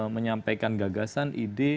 menyampaikan gagasan ide